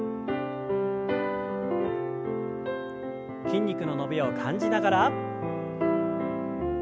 筋肉の伸びを感じながら。